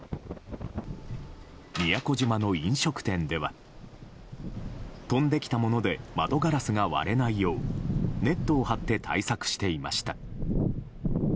宮古島の飲食店では飛んできたもので窓ガラスが割れないようネットを張って対策していました。